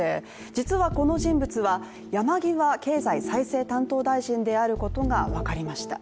実はこの人物は、山際経済再生担当大臣であることが分かりました。